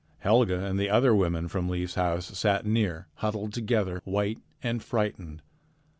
Helga and the other women from Leif's house sat near, huddled together, white and frightened.